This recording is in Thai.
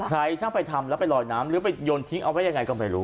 ใครช่างไปทำแล้วไปลอยน้ำหรือไปโยนทิ้งเอาไว้ยังไงก็ไม่รู้